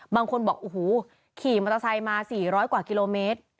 บางคนบอกโอ้โหขี่มอเตอร์ไซค์มา๔๐๐กว่ากิโลเมตร